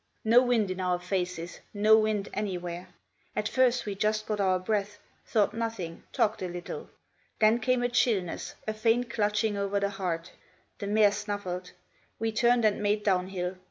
No wind in our faces, no wind anywhere. At first we just got our breath, thought nothing, talked a little. Then came a chillness, a faint clutching over the heart. The mare snuffled; we turned and made down hill.